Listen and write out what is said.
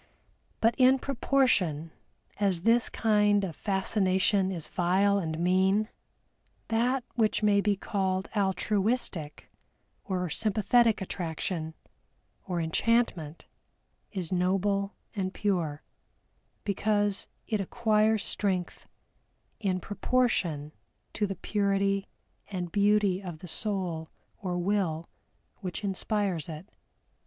But in proportion as this kind of fascination is vile and mean, that which may be called altruistic or sympathetic attraction, or Enchantment, is noble and pure, because it acquires strength in proportion to the purity and beauty of the soul or will which inspires it.